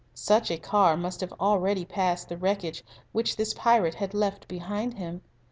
Such a car must have already passed the wreckage which this pirate had left behind him.